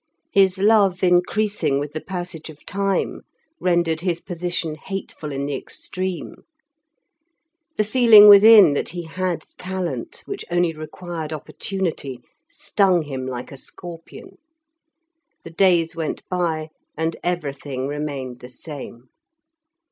His love increasing with the passage of time rendered his position hateful in the extreme. The feeling within that he had talent which only required opportunity stung him like a scorpion. The days went by, and everything remained the same.